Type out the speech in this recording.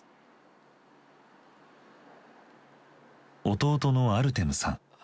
弟のアルテムさん。